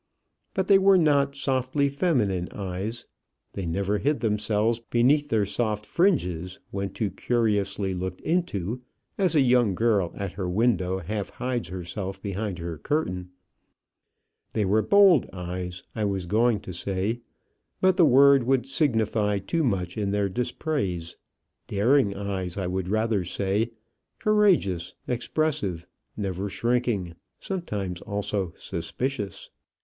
But they were not softly feminine eyes. They never hid themselves beneath their soft fringes when too curiously looked into, as a young girl at her window half hides herself behind her curtain. They were bold eyes, I was going to say, but the word would signify too much in their dispraise; daring eyes, I would rather say, courageous, expressive, never shrinking, sometimes also suspicious.